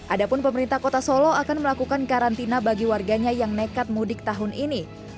adapun pemerintah kota solo akan melakukan karantina bagi warganya yang nekat mudik tahun ini